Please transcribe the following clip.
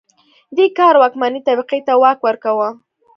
دې کار واکمنې طبقې ته واک ورکاوه